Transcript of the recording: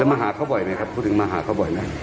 มาหาเขาบ่อยไหมครับพูดถึงมาหาเขาบ่อยไหม